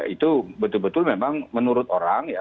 itu betul betul memang menurut orang ya